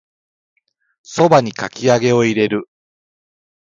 蕎麦にかき揚げを入れる